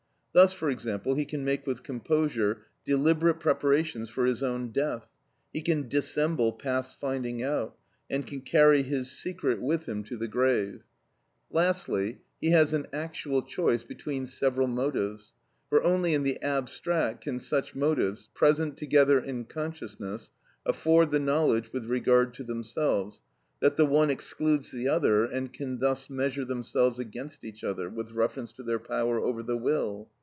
Thus, for example, he can make with composure deliberate preparations for his own death, he can dissemble past finding out, and can carry his secret with him to the grave; lastly, he has an actual choice between several motives; for only in the abstract can such motives, present together in consciousness, afford the knowledge with regard to themselves, that the one excludes the other, and can thus measure themselves against each other with reference to their power over the will.